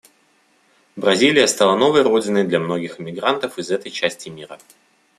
Бразилия стала новой родиной для многих иммигрантов из этой части мира.